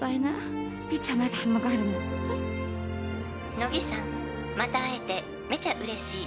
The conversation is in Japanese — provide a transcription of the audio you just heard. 「乃木さんまた会えてめちゃ嬉しい」